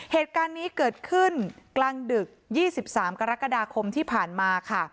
เหตุการณ์นี้เกิดขึ้นกลางดึก๒๓กรกฎาคมที่ผ่านมาค่ะ